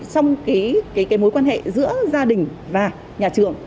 trong mối quan hệ giữa gia đình và nhà trường